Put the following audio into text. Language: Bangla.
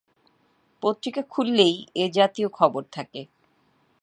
পত্রিকা খুললেই এ জাতীয় খবর থাকে।